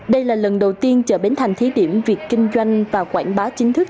đây là lần đầu tiên chợ bến thành thí điểm việc kinh doanh và quảng bá chính thức